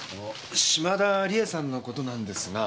嶋田理恵さんの事なんですが。